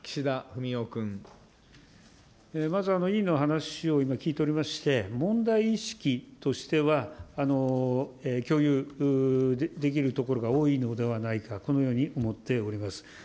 まず、委員の話を今聞いておりまして、問題意識としては、共有できるところが多いのではないか、このように思っております。